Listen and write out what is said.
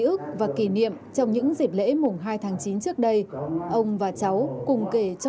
ức và kỷ niệm trong những dịp lễ mùng hai tháng chín trước đây ông và cháu cùng kể cho